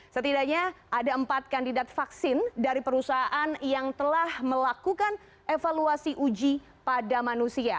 setidaknya ada empat kandidat vaksin dari perusahaan yang telah melakukan evaluasi uji pada manusia